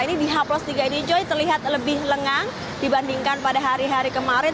ini di h tiga ini joy terlihat lebih lengang dibandingkan pada hari hari kemarin